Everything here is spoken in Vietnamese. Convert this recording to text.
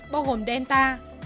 bao gồm delta